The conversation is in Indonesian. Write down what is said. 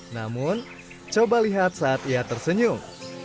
namun coba lihat saat ia tersenyum